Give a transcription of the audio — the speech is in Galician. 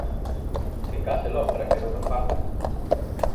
Que case logra que non a faga!